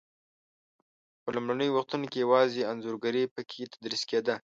په لومړنیو وختو کې یوازې انځورګري په کې تدریس کېده.